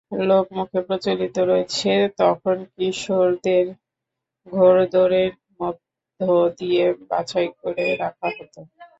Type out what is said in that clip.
লোকমুখে প্রচলিত রয়েছে, তখন কিশোরদের ঘোড়দৌড়ের মধ্য দিয়ে বাছাই করে রাখা হতো।